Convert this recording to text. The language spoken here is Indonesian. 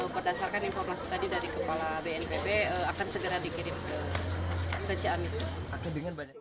berdasarkan informasi tadi dari kepala bnpb akan segera dikirim ke ciamis